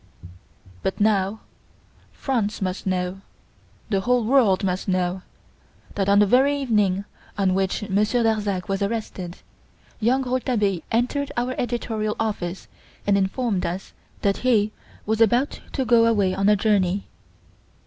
"But now, France must know the whole world must know, that, on the very evening on which Monsieur Darzac was arrested, young Rouletabille entered our editorial office and informed us that he was about to go away on a journey.